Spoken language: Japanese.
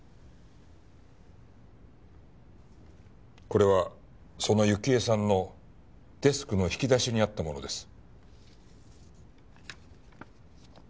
これはその幸恵さんのデスクの引き出しにあったものです。